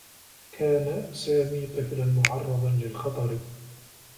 كان سامي طفلا معرّضا للخطر.